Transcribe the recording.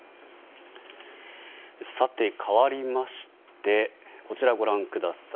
さて、かわりましてこちらをご覧ください。